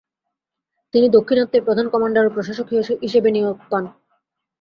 তিনি দক্ষিণাত্যের প্রধান কমান্ডার ও প্রশাসক হিসেবে নিয়োগ পান।